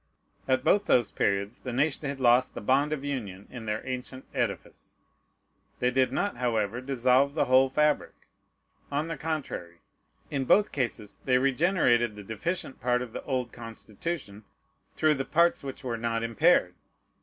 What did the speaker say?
At both those periods the nation had lost the bond of union in their ancient edifice: they did not, however, dissolve the whole fabric. On the contrary, in both cases they regenerated the deficient part of the old Constitution through the parts which were not impaired.